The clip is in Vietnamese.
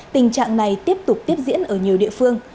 tình trạng này tiếp tục tiếp diễn ở nhiều địa phương